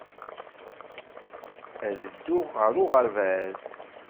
Ad dduɣ ɣer uɣerbaz.